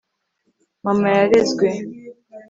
mama yarezwe